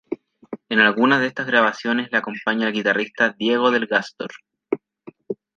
En algunas de estas grabaciones le acompaña el guitarrista Diego del Gastor.